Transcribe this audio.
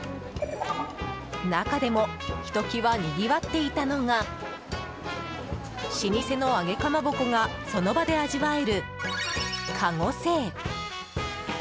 中でもひときわにぎわっていたのが老舗の揚げかまぼこがその場で味わえる、籠清。